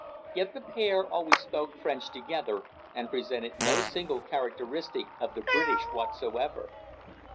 Yet the pair always spoke French together, and presented no single characteristic of the British whatsoever.